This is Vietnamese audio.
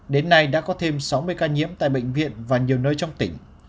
đến nay đã có thêm sáu mươi ca nhiễm tại bệnh viện và nhiều nơi trong tỉnh